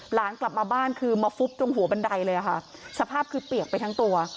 หลานกลับมาบ้านคือมาฟุบตรงหัวบันไดเลยค่ะสภาพคือเปียกไปทั้งตัว